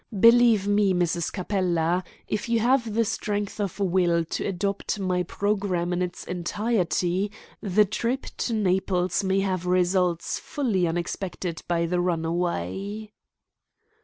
Believe me, Mrs. Capella, if you have strength of will to adopt my programme in its entirety, the trip to Naples may have results wholly unexpected by the runaway."